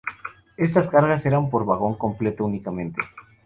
Estas cargas eran por vagón completo únicamente.